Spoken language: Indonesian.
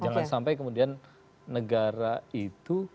jangan sampai kemudian negara itu